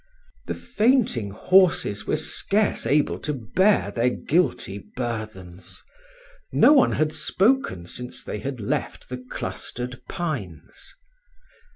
The fainting horses were scarce able to bear their guilty burthens. No one had spoken since they had left the clustered pines.